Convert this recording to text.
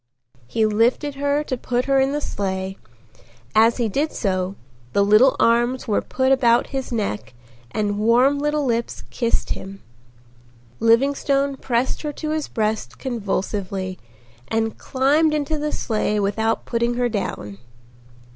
He lifted her to put her in the sleigh. As he did so the little arms were put about his neck and warm little lips kissed him. Livingstone pressed her to his breast convulsively and climbed into the sleigh without putting her down.